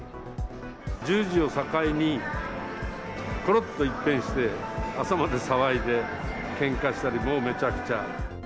１０時を境にごろっと一変して、朝まで騒いでけんかしたり、もうめちゃくちゃ。